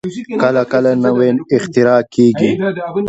کله نا کله نوې اختراع کېږي.